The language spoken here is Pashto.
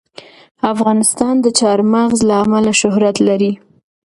افغانستان د چار مغز له امله شهرت لري.